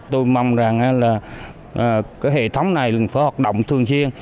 tôi mong rằng là cái hệ thống này phải hoạt động thường xuyên